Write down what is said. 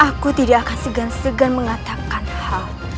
aku tidak akan segan segan mengatakan hal